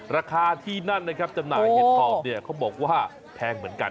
ราคาที่นั่นนะครับจำหน่ายเห็ดถอบเนี่ยเขาบอกว่าแพงเหมือนกัน